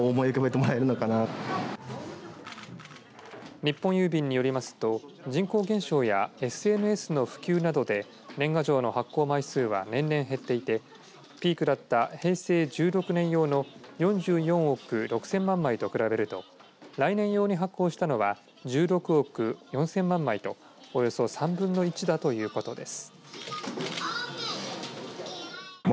日本郵便によりますと人口減少やＳＮＳの普及などで年賀状の発行枚数は年々減っていてピークだった平成１６年用の４４億６０００万枚と比べると来年用に発行したのは１６億４０００万枚とおよそ３分の１だということです。